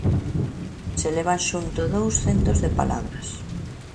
Xe levan xunto dous centos de palabras.